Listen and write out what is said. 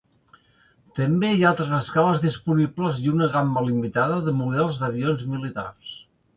També hi ha altres escales disponibles i una gamma limitada de models d'avions militars.